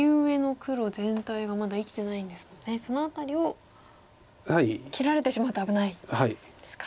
その辺りを切られてしまうと危ないんですか。